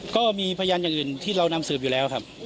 ก็มีพยานอย่างอื่นที่เรานำสืบอยู่แล้วครับ